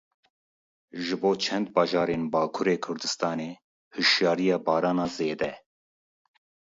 Ji bo çend bajarên Bakurê Kurdistanê hişyariya barana zêde.